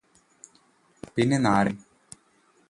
പിന്നെ നാരങ്ങയും